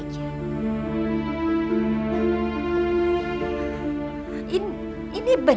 ini ini berapa